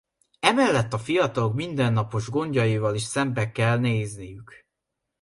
Emellett a fiatalok mindennapos gondjaival is szembe kell nézniük.